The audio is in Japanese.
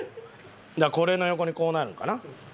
だからこれの横にこうなるんかな。